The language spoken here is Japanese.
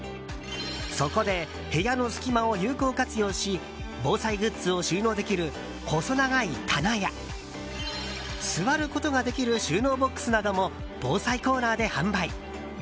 そこで、部屋の隙間を有効活用し防災グッズを収納できる細長い棚や座ることができる収納ボックスなども防災コーナーで販売。